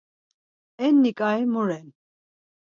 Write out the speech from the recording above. Enni ǩai mu ren?